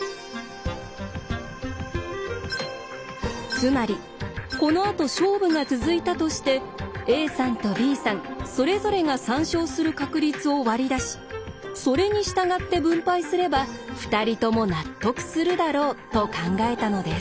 つまりこのあと勝負が続いたとしてＡさんとＢさんそれぞれが３勝する確率を割り出しそれに従って分配すれば２人とも納得するだろうと考えたのです。